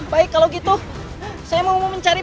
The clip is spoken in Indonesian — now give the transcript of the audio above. baik kalau gitu saya mau mencari